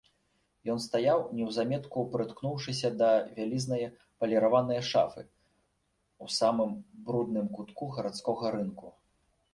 Ён стаяў, неўзаметку прыткнуўшыся да вялізнае паліраванае шафы, у самым брудным кутку гарадскога рынку.